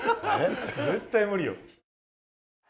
絶対無理よ。